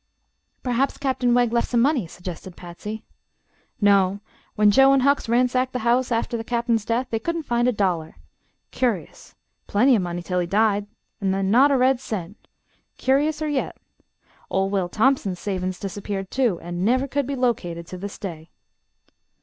"Perhaps Captain Wegg left some money," suggested Patsy. "No; when Joe an' Hucks ransacked the house arter the Cap'n's death they couldn't find a dollar. Cur'ous. Plenty o' money till he died, 'n' then not a red cent. Curiouser yet. Ol' Will Thompson's savin's dis'peared, too, an' never could be located to this day."